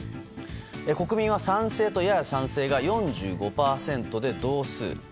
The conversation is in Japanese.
国民は賛成とやや賛成が４５％で同数。